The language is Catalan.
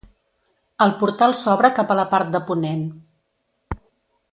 El portal s'obre cap a la part de ponent.